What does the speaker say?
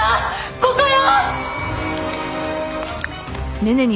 ここよ！